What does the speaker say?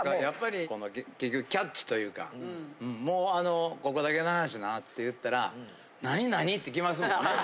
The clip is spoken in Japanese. やっぱり結局キャッチというかもう「ここだけの話な」って言ったら「なになに！？」ってきますもんね。